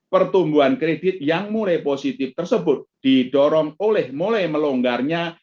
pertumbuhan kredit yang mulai positif tersebut didorong oleh mulai melonggarnya